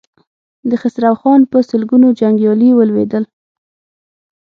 د خسرو خان په سلګونو جنګيالي ولوېدل.